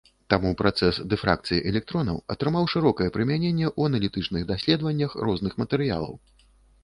Таму працэс дыфракцыі электронаў атрымаў шырокае прымяненне ў аналітычных даследаваннях розных матэрыялаў.